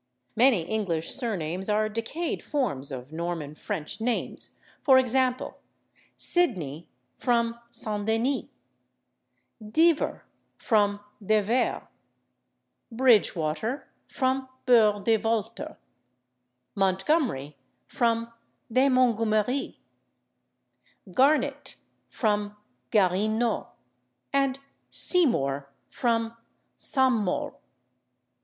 Many English surnames are decayed forms of Norman French names, for example, /Sidney/ from /St. Denis/, /Divver/ from /De Vere/, /Bridgewater/ from /Burgh de Walter/, /Montgomery/ from /de Mungumeri/, /Garnett/ from /Guarinot/, and /Seymour/ from /Saint Maure